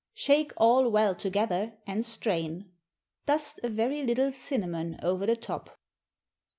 Shake all well together, and strain. Dust a very little cinnamon over the top.